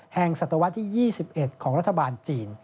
ศตวรรษที่๒๑ของรัฐบาลจีน